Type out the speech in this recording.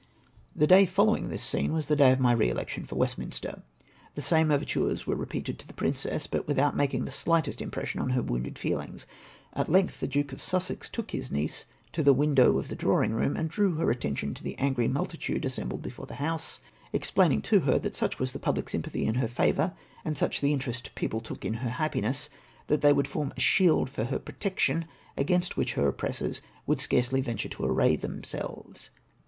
The day following this scene was the day of my re election for Westminster. The same overtures were repeated to the princess, but without making the shght est impression on her wounded feehngs. At length the Duke of Sussex took his niece to the window of the drawing room, and drew her attention to the angry multitude assembled before the house, explaining to 394 SYiMPATIIY OF THE PRINCESS FOE MY TREATMENT. her that such Avas the piibhc sympathy in her favour, and such the interest the people took in her happiness, that they would form a shield for her protection against which her oppressors would scarcely venture to array themselves.